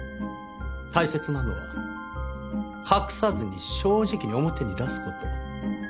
大切なのは隠さずに正直に表に出す事。